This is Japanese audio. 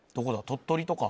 鳥取とか？